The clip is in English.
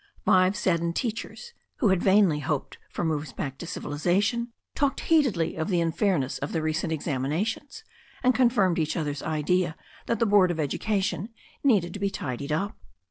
Five saddened teachers, who had vainly hoped for moves back to civilization, talked heatedly of the unfairness of the recent examinations, and confirmed each other's idea that the Board of Education needed to be tidied up.